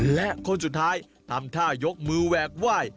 และคนสุดท้ายทำท่ายกมือแหวกไหว้